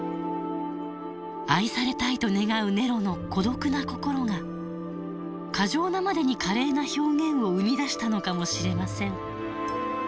愛されたいと願うネロの孤独な心が過剰なまでに華麗な表現を生み出したのかもしれません。